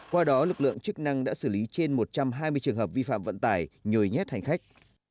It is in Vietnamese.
qua đó lực lượng chức năng đã xử lý trên một trăm hai mươi trường hợp vi phạm vận tải nhồi nhét hành khách